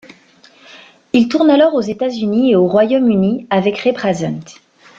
Il tourne alors aux États-Unis et au Royaume-Uni avec Reprazent.